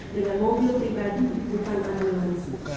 dengan mobil pribadi bukan ambulans